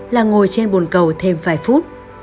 là ngồi trên bồn cầu thêm vài phút